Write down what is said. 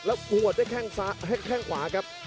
แล้วหัวด้วยแข้งขวาครับ